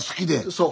そう。